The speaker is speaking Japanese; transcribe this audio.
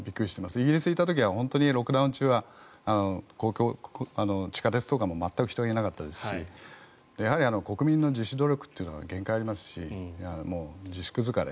イギリスにいた時は本当にロックダウン中は地下鉄とかも全く人がいなかったですしやはり国民の自主努力というのは限界がありますしもう自粛疲れ。